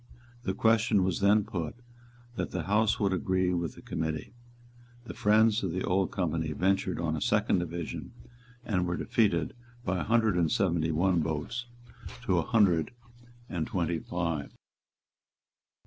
The question was then put, that the House would agree with the Committee. The friends of the Old Company ventured on a second division, and were defeated by a hundred and seventy one votes to a hundred and twenty five.